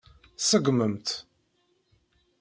Tṣeggmem-tt.